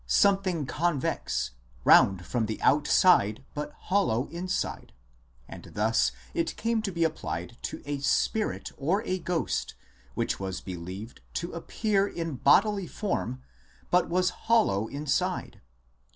something convex, round from the outside, but hollow inside ; and thus it came to be applied to a spirit or a ghost which was believed to appear in bodily form but was hollow inside.